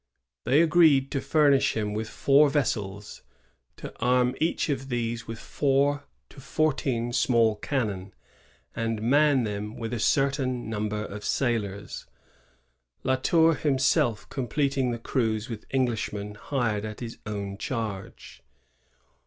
They agreed to furnish him with four vessels; to arm each of these with from four to fourteen small cannon, and 1643.] DISPUTES. 2d man them with a certain number of sailors, La Tour himself completing the crews with Englishmen hired at his own charge.